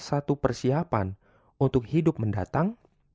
satu persiapan untuk hidup mendatang